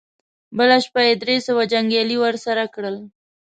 بله شپه يې درې سوه جنګيالي ور سره کړل.